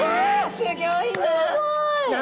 すギョいな。